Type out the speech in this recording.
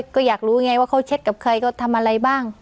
ก็อยากรู้ไงว่าเขาเช็ดกับใครเขาทำอะไรบ้าง